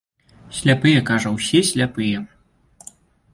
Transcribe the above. Сляпыя, кажа, усе сляпыя.